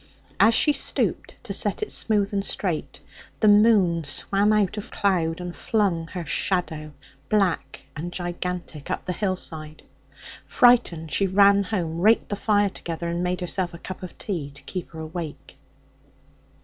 As she stooped to set it smooth and straight, the moon swam out of cloud and flung her shadow, black and gigantic, up the hillside. Frightened, she ran home, raked the fire together, and made herself a cup of tea to keep her awake.